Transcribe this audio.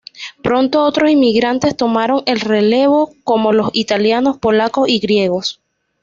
Pronto otros inmigrantes tomaron el relevo, como los italianos, polacos y griegos.